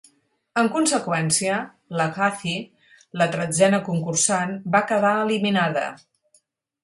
En conseqüència, la Kathy, la tretzena concursant, va quedar eliminada.